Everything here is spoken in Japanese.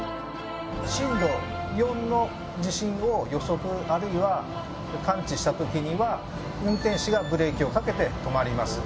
震度４の地震を予測あるいは感知した時には運転士がブレーキをかけて止まります。